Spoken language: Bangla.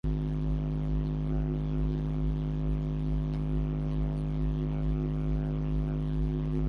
বিনোদিনী তাড়াতাড়ি চিঠি লইয়া দেখিল, খোলা চিঠি–লেফাফার উপরে তাহারই হস্তাক্ষরে বিহারীর নাম লেখা।